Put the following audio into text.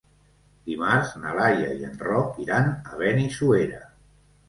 Dimarts na Laia i en Roc iran a Benissuera.